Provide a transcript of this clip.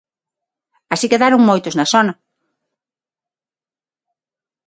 Así quedaron moitos na zona.